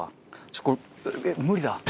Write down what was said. ちょっとこれ無理だ。